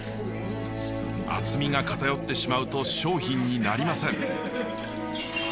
厚みが偏ってしまうと商品になりません。